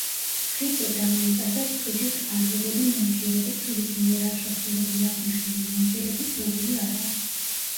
ხიდზე დაამონტაჟეს თუჯის აჟურული მოაჯირები, თუ ვის მიერაა შესრულებული აღნიშნული მოაჯირები, ცნობილი არაა.